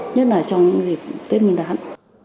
nhất là trong dịp tết mương đán